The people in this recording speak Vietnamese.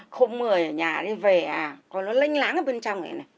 không mưa ở nhà thì về à còn nó lenh láng ở bên trong này này